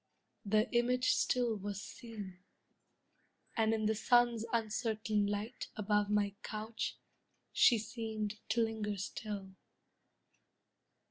The image still Was seen, and in the sun's uncertain light Above my couch she seemed to linger still.